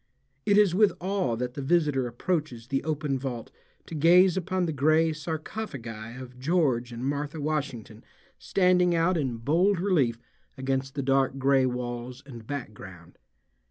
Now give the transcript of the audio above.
It is with awe that the visitor approaches the open vault to gaze upon the gray sarcophagi of George and Martha Washington standing out in bold relief against the dark gray walls and background.